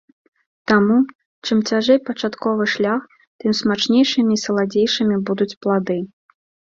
Таму, чым цяжэй пачатковы шлях, тым смачнейшымі і саладзейшымі будуць плады.